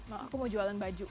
aku mau jualan baju